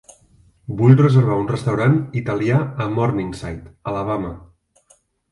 Vull reservar un restaurant italià a Morningside, Alabama.